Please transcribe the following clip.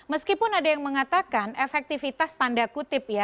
meskipun ada yang mengatakan efektivitas tanda kutip ya